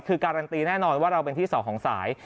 คือการันตีแน่นอนว่าเราเป็นที่๒ของสาย